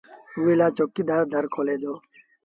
اُئي لآ چوڪيدآر در کولي دو